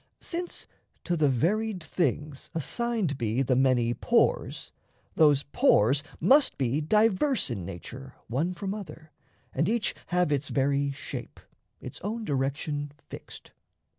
Since to the varied things assigned be The many pores, those pores must be diverse In nature one from other, and each have Its very shape, its own direction fixed.